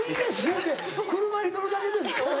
言うて「車に乗るだけですから」